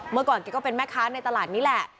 เมื่อก่อนแกก็เป็นแม่ค้าในตลาดนี้แหละ